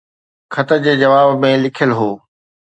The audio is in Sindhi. خط جي جواب ۾ لکيل هو.